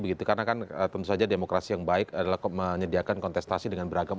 begitu karena kan tentu saja demokrasi yang baik adalah menyediakan kontestasi dengan beragam